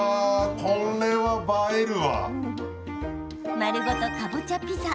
丸ごとかぼちゃピザ。